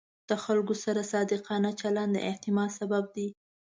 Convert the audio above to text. د خلکو سره صادقانه چلند د اعتماد سبب دی.